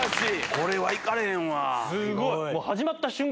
これは行かれへんわ。